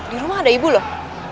di rumah ada ibu loh